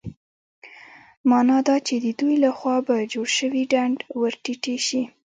مانا دا چې د دوی له خوا په جوړ شوي ډنډ ورټيټې شي.